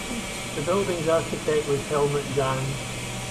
The building's architect was Helmut Jahn.